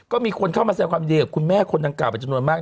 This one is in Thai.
ก็มีคนเข้ามาแสดงความยินดีกับคุณแม่คนดังกล่าเป็นจำนวนมาก